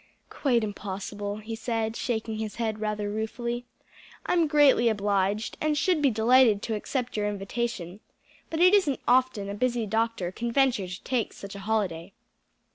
"Quite impossible," he said, shaking his head rather ruefully. "I'm greatly obliged, and should be delighted to accept your invitation, but it isn't often a busy doctor can venture to take such a holiday."